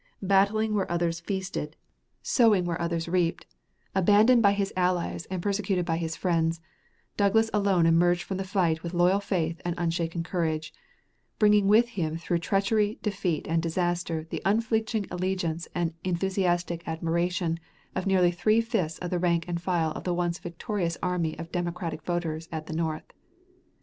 Battling while others feasted, sowing where others reaped, abandoned by his allies and persecuted by his friends, Douglas alone emerged from the fight with loyal faith and unshaken courage, bringing with him through treachery, defeat, and disaster the unflinching allegiance and enthusiastic admiration of nearly three fifths of the rank and file of the once victorious army of Democratic voters at the north.